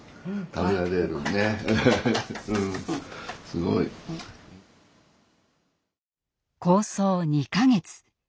すごい。構想２か月。